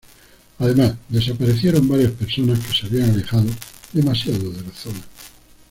Además, desaparecieron varias personas que se habían alejado demasiado de la zona.